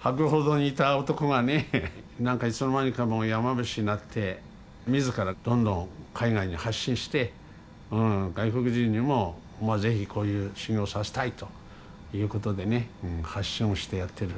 博報堂にいた男がね何かいつの間にかもう山伏になって自らどんどん海外に発信して外国人にも是非こういう修行をさせたいということでね発信をしてやってる。